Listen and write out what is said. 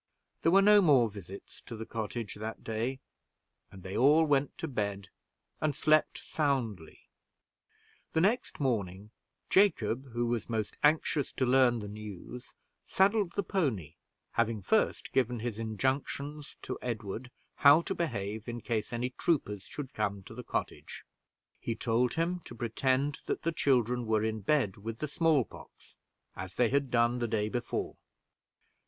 There were no more visits to the cottage that day, and they all went to bed, and slept soundly. The next morning, Jacob, who was most anxious to learn the news, saddled the pony, having first given his injunctions to Edward how to behave in case any troopers should come to the cottage. He told him to pretend that the children were in bed with the small pox, as they had done the day before.